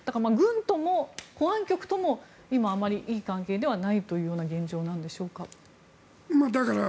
軍とも保安局とも今、あまりいい関係ではないというような現状なんでしょうか。